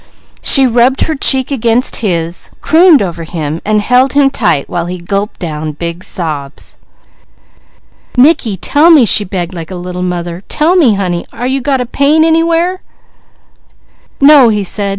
She rubbed her cheek against his, crooned over him, and held him tight while he gulped down big sobs. "Mickey, tell me," she begged, like a little mother. "Tell me honey? Are you got a pain anywhere?" "No!" he said.